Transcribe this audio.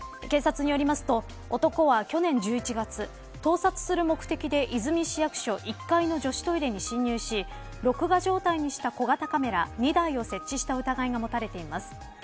警察によりますと男は去年１１月盗撮する目的で和泉市役所１階の女子トイレに侵入し録画状態にした小型カメラ２台を設置した疑いが持たれています。